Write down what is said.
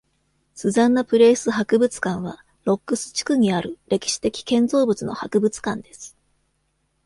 スザンナ・プレイス博物館は、ロックス地区にある歴史的建造物の博物館です。